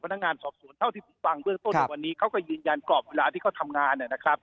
พนักงานสอบสวนเท่าที่ผมฟังเบื้องต้นในวันนี้เขาก็ยืนยันกรอบเวลาที่เขาทำงานนะครับ